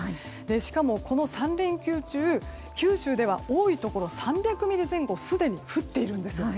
しかも、この３連休中九州では多いところで３００ミリ前後すでに降っているんです。